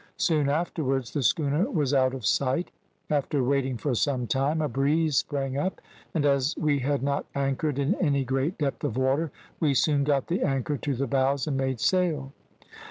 Soon afterwards the schooner was out of sight. After waiting for some time a breeze sprang up, and as we had not anchored in any great depth of water we soon got the anchor to the bows and made sail.